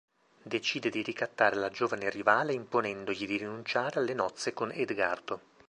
Decide di ricattare la giovane rivale imponendogli di rinunciare alle nozze con Edgardo.